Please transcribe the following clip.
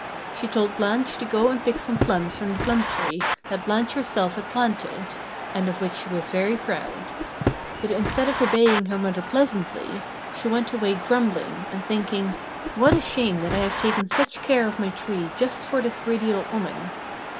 She told Blanche to go and pick some plums from the plum tree that Blanche herself had planted, and of which she was very proud. But instead of obeying her mother pleasantly, she went away grumbling, and thinking, "What a shame that I have taken such care of my tree just for this greedy old woman!"